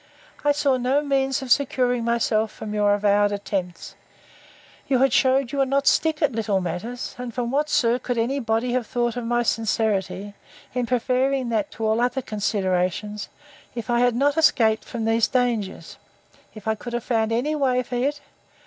I saw no means of securing myself from your avowed attempts. You had shewed you would not stick at little matters; and what, sir, could any body have thought of my sincerity, in preferring that to all other considerations, if I had not escaped from these dangers, if I could have found any way for it?